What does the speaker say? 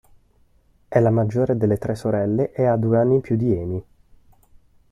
È la maggiore delle tre sorelle e ha due anni in più di Emi.